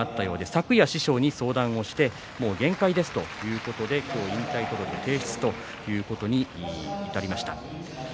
昨夜、師匠に相談してもう限界ですということで引退届を提出ということになりました。